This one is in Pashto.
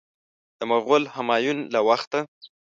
د مغول همایون له وخته.